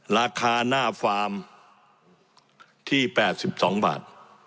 ราคาหน้าฟาร์มที่๘๒บาท